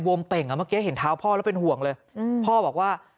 เป่งอ่ะเมื่อกี้เห็นเท้าพ่อแล้วเป็นห่วงเลยพ่อบอกว่า